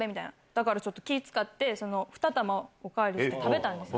だからちょっと、気遣って、２玉をお代わりして食べたんです。